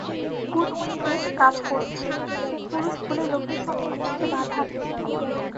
Goodwin বেশ কাজ করছে, সে পুরুষ বলে লোকের সঙ্গে মিশতে বাধা নেই।